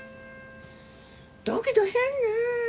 だけど変ね。